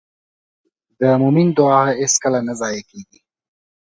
د مؤمن دعا هېڅکله نه ضایع کېږي.